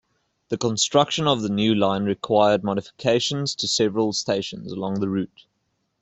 The construction of the new line required modifications to several stations along the route.